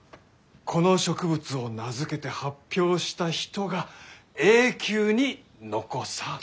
この植物を名付けて発表した人が永久に残される。